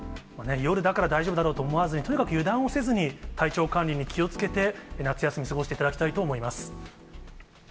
夜だから大丈夫だろうと思わずに、とにかく油断をせずに、体調管理に気をつけて、夏休み過ごしていただきたいと思います。